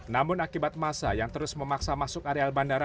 namun akibat masa yang terus memaksa masuk areal bandara